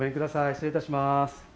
失礼いたします。